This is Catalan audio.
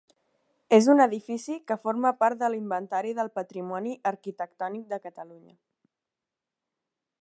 És un edifici que forma part de l'Inventari del Patrimoni Arquitectònic de Catalunya.